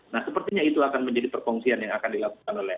nah sepertinya itu akan menjadi perkongsian yang akan dilakukan oleh